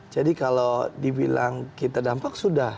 jadi kalau dibilang kita dampak sudah